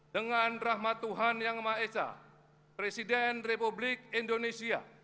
dengan rahmat tuhan yang maha esa presiden republik indonesia